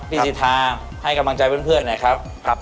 พี่สิทาให้กำลังใจเพื่อนนะครับ